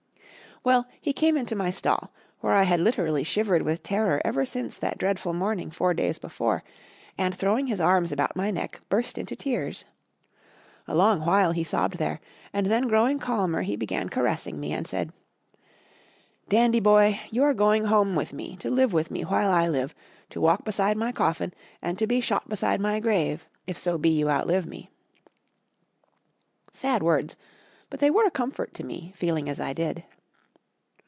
Well, he came into my stall, where I had literally shivered with terror ever since that dreadful morning four days before, and, throwing his arms about my neck, burst into tears. A long while he sobbed there, and then growing calmer, he began caressing me, and said: "Dandy, boy, you are going home with me, to live with me while I live, to walk beside my coffin, and to be shot beside my grave, if so be you outlive me." Sad words, but they were a comfort to me, feeling as I did.